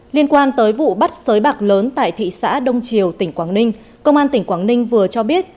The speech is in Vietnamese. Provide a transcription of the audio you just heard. liên quan tới vụ bắt sới bạc lớn tại thị xã đông triều tỉnh quảng ninh công an tỉnh quảng ninh vừa cho biết